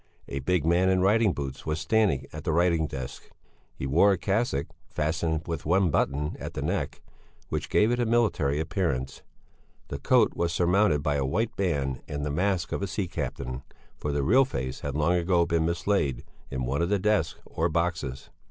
A big man in riding boots was standing at the writing desk. He wore a cassock fastened with one button at the neck which gave it a military appearance; the coat was surmounted by a white band and the mask of a sea captain, for the real face had long ago been mislaid in one of the desks or boxes.